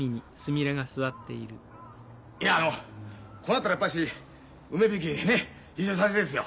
いやあのこうなったらやっぱし梅響にね優勝させたいですよ。